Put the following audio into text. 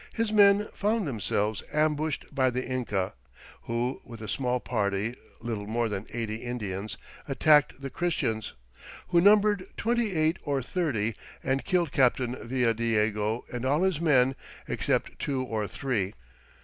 his men found themselves ambushed by the Inca, who with a small party, "little more than eighty Indians," "attacked the Christians, who numbered twenty eight or thirty, and killed Captain Villadiego and all his men except two or three."